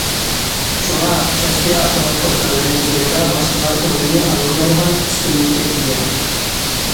شۇڭا، كەسپى ئاخبارات ئورگانلىرى يەنىلا باشقىلار ئورنىنى ئالالمايدىغان ئۈستۈنلۈككە ئىگە.